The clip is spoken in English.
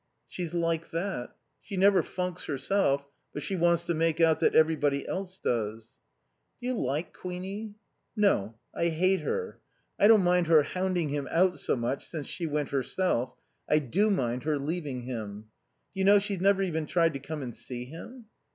"She's like that. She never funks herself, but she wants to make out that everybody else does." "Do you like Queenie?" "No. I hate her. I don't mind her hounding him out so much since she went herself; I do mind her leaving him. Do you know, she's never even tried to come and see him."